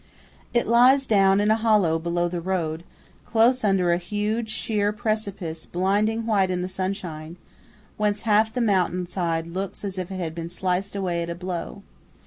It lies down in a hollow below the road, close under a huge, sheer precipice blinding white in the sunshine, whence half the mountain side looks as if it had been sliced away at a blow.